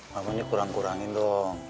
mama ini kurang kurangin dong